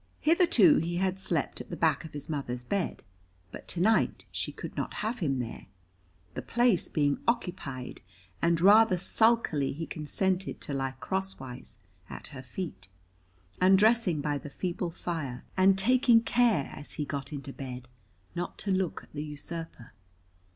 Hitherto he had slept at the back of his mother's bed, but to night she could not have him there, the place being occupied, and rather sulkily he consented to lie crosswise at her feet, undressing by the feeble fire and taking care, as he got into bed, not to look at the usurper.